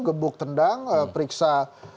gebuk tendang periksa